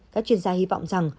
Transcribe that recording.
các chuyên gia hy vọng rằng